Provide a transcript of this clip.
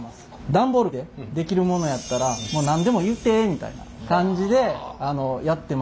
段ボールで出来るものやったらもう何でも言うてえみたいな感じでやってます。